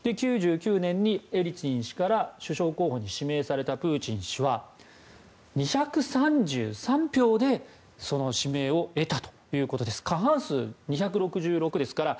９９年にエリツィン氏から首相候補に指名されたプーチン氏は２３３票でその指名を得たということです。